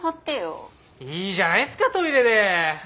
いいじゃないっすかトイレで。